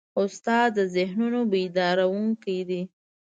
استاد د ذهنونو بیدارونکی دی.